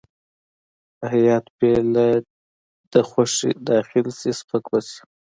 که هیات بې له ده خوښې داخل شي سپک به شي.